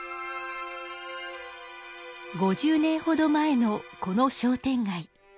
５０年ほど前のこの商店街。